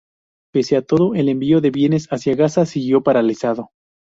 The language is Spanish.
Pese a todo, el envío de bienes hacia Gaza siguió paralizado.